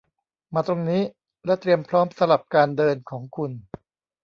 มาตรงนี้ และเตรียมพร้อมสำหรับการเดินของคุณ